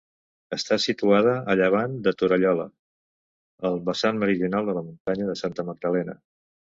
Està situada a llevant de Torallola, al vessant meridional de la Muntanya de Santa Magdalena.